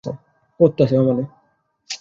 এই ছেলেগুলো মিথ্যা বলছে।